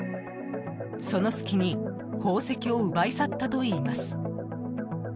その隙に宝石を奪い去ったといいます。